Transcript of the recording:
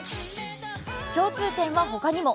共通点は他にも。